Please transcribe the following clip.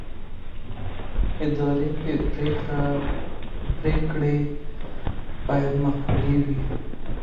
اداري پرېکړې باید معقولې وي.